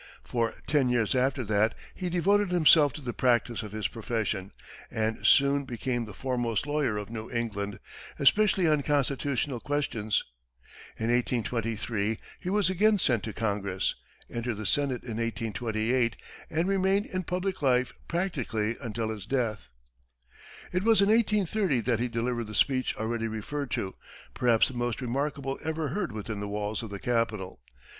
For ten years after that, he devoted himself to the practice of his profession, and soon became the foremost lawyer of New England, especially on constitutional questions. In 1823, he was again sent to Congress; entered the Senate in 1828, and remained in public life practically until his death. It was in 1830 that he delivered the speech already referred to perhaps the most remarkable ever heard within the walls of the Capitol.